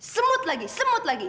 semut lagi semut lagi